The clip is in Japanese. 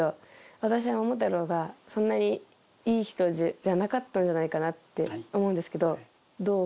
私は桃太郎がそんなにいい人じゃなかったんじゃないかなって思うんですけど。